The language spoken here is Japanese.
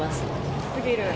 暑すぎる。